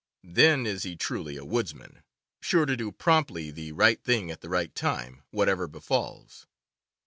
Then is he truly a woodsman, sure to do promptly the right thing at the right time, whatever befalls.